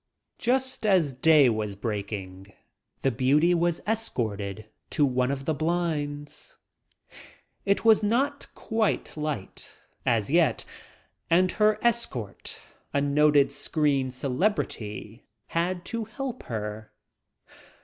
Just as day was breaking the beauty was es corted to one of the blinds. It was not quite light as yet and her escort, a noted screen celebrity, had to help her.